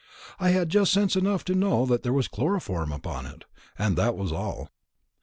I had just sense enough to know that there was chloroform upon it, and that was all.